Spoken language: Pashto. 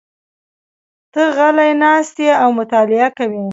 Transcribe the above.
ته غلی ناست یې او مطالعه کوې.